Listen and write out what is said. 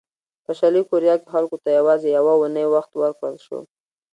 په شلي کوریا کې خلکو ته یوازې یوه اونۍ وخت ورکړل شو.